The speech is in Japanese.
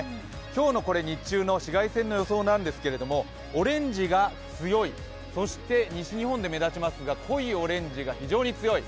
今日の日中の紫外線の予想なんですけどオレンジが強い、そして西日本で目立ちますが、濃いオレンジが非常に強い。